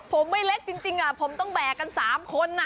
ผมไม่เล็กจริงผมต้องแบกกัน๓คน